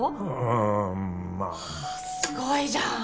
ああまあすごいじゃん！